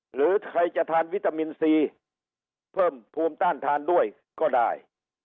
หรือใครจะทานวิตามินซีเพิ่มภูมิต้านทานด้วยก็ได้